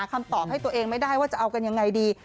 คำตอบให้ตัวเองไม่ได้ว่าจะเอากันยังไงดี